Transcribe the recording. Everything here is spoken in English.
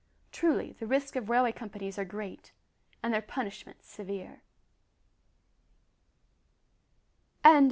Truly the risks of railway companies are great, and their punishments severe. CHAPTER TWENTY FIVE.